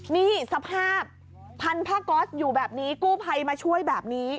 นี่สภาพพันธกษอยู่แบบนี้กู้ไพมาช่วยแบบนี้